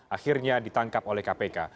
akhirnya ditangkap oleh kpk